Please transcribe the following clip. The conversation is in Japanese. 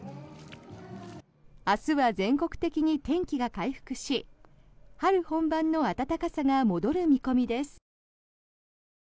明日は全国的に天気が回復し春本番の暖かさが戻る見込みです。